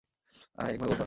আহ, একভাবে বলতে পারো।